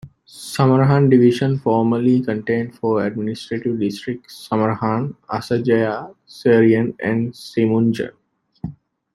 Samarahan Division formerly contained four administrative districts: Samarahan, Asajaya, Serian and Simunjan.